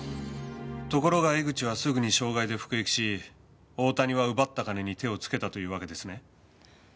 ところが江口はすぐに傷害で服役し大谷は奪った金に手をつけたというわけですね？